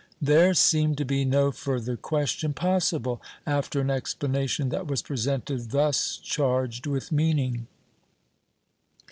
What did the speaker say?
There seemed to be no further question possible after an explanation that was presented thus charged with meaning.